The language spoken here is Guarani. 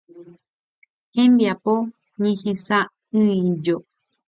Hembiapo Ñehesa'ỹijo.